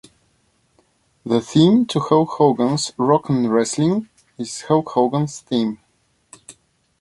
The theme to "Hulk Hogan's Rock 'n' Wrestling" is "Hulk Hogan's Theme".